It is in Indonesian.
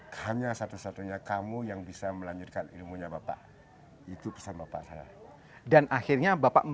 hanya satu satunya kamu yang bisa melanjutkan ilmunya bapak itu pesan bapak saya dan akhirnya bapak